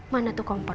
mana tuh kompor